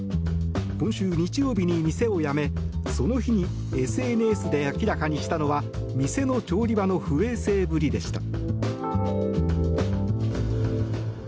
今週日曜日に店を辞め、その日にＳＮＳで明らかにしたのは店の調理場の不衛生ぶりでした。